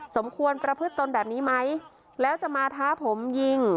สมควรประพฤติตนแบบนี้ไหมแล้วจะมาท้าผมยิง